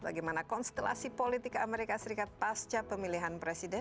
bagaimana konstelasi politik amerika serikat pasca pemilihan presiden